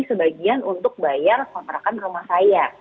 sebagian untuk bayar kontrakan rumah saya